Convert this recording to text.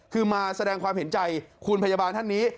คือมาแสดงความเห็นใจคุณพยาบาลท่านนี้